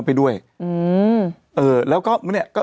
มีสารตั้งต้นเนี่ยคือยาเคเนี่ยใช่ไหมคะ